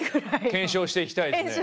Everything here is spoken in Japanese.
検証していきたいっすね。